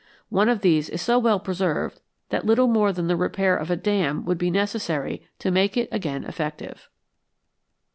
One of these is so well preserved that little more than the repair of a dam would be necessary to make it again effective.